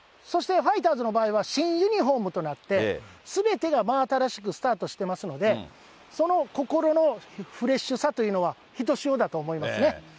そしてファイターズの場合は、新ユニホームとなって、すべてが真新しくスタートしてますので、その心のフレッシュさというのはひとしおだと思いますね。